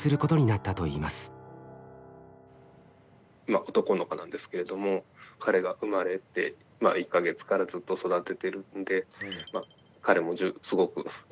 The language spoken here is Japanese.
まあ男の子なんですけれども彼が生まれて１か月からずっと育ててるんで彼もすごく懐いてくれてますし。